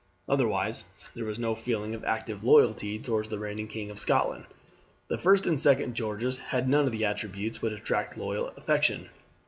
Otherwise there was no feeling of active loyalty towards the reigning king in Scotland. The first and second Georges had none of the attributes which attract loyal affection.